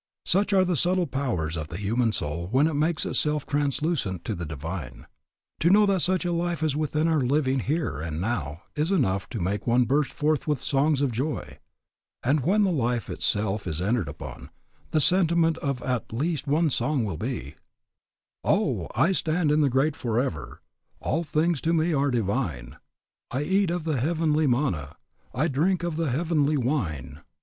Such are the subtle powers of the human soul when it makes itself translucent to the Divine. To know that such a life is within our living here and now is enough to make one burst forth with songs of joy. And when the life itself is entered upon, the sentiment of at least one song will be: "Oh! I stand in the Great Forever, All things to me are divine; I eat of the heavenly manna, I drink of the heavenly wine.